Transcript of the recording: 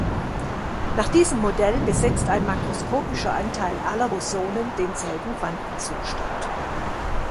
Nach diesem Modell besetzt ein makroskopischer Anteil aller Bosonen denselben Quantenzustand.